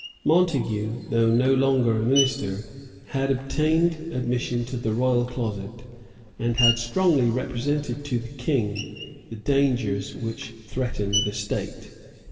Montague, though no longer a minister, had obtained admission to the royal closet, and had strongly represented to the King the dangers which threatened the state.